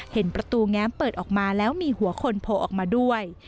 เห็นประตูแง้มเปิดออกมาแล้วมีหัวคนโผล่ออกมาด้วย